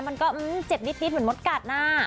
มันก็เจ็บนิดเหมือนมดกัดนะ